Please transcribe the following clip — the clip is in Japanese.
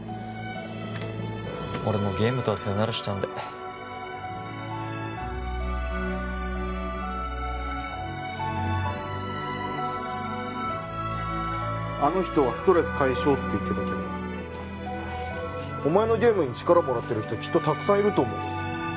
俺もうゲームとはサヨナラしたんであの人はストレス解消って言ってたけどお前のゲームに力もらってる人きっとたくさんいると思うよ